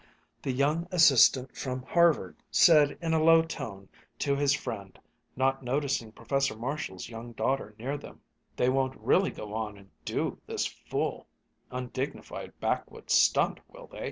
The young assistant from Harvard said in a low tone to his friend, not noticing Professor Marshall's young daughter near them: "They won't really go on and do this fool, undignified, backwoods stunt, will they?